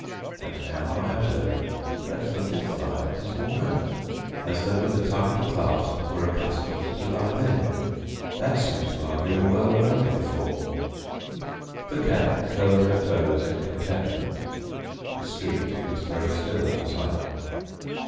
And now I observe that the fifth eyelet is worn out, as though the tongue of the clasp were accustomed to lie there. That seems to argue a well rounded form." The cat curled her toes in contentment. The street was very still outside.